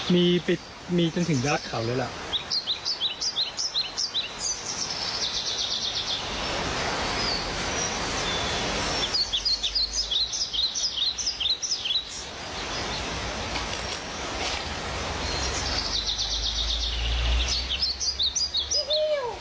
มีปิดมีจนถึงราชเขาแล้วแหละ